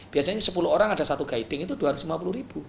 biasanya sepuluh orang ada satu guiding itu dua ratus lima puluh ribu